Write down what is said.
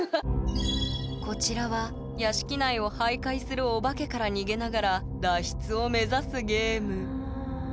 こちらは屋敷内を徘徊するお化けから逃げながら脱出を目指すゲーム。